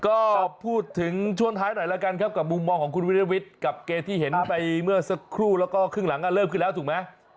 ก็พูดถึงช่วงท้ายหน่อยแล้วกันครับกับมุมมองของคุณวิรวิทย์กับเกมที่เห็นไปเมื่อสักครู่แล้วก็ครึ่งหลังเริ่มขึ้นแล้วถูกไหม